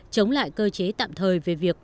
chống lại cơ chế tạm thời về việc